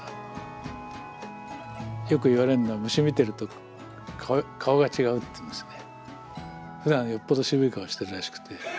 よく言われるのは虫見てると顔が違うっていうんですね。